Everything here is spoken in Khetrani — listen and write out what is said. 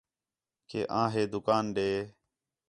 کہ آں ہِے دُکان ݙے